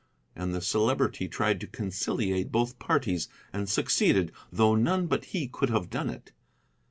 And the Celebrity tried to conciliate both parties, and succeeded, though none but he could have done it.